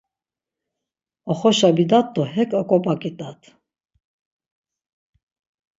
Oxoşa bidat do hek oǩobaǩidat.